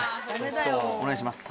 お願いします。